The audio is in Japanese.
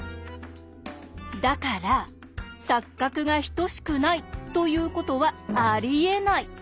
だから錯角が等しくないということはありえない！